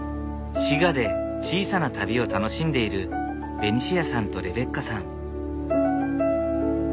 滋賀で小さな旅を楽しんでいるベニシアさんとレベッカさん。